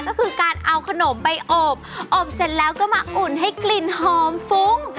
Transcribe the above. ก็คือการเอาขนมไปอบอบเสร็จแล้วก็มาอุ่นให้กลิ่นหอมฟุ้ง